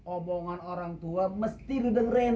obongan orang tua mesti lu dengerin